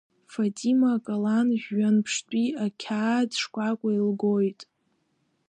Фатима акалам жәҩанԥштәи, ақьаад шкәакәеи лгит.